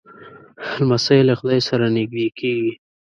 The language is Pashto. لمسی له خدای سره نږدې کېږي.